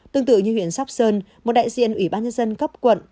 tương tự như huyện sóc sơn một đại diện ủy ban nhân dân cấp quận